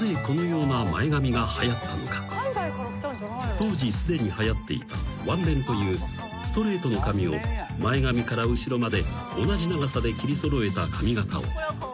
［当時すでにはやっていたワンレンというストレートの髪を前髪から後ろまで同じ長さで切り揃えた髪形を］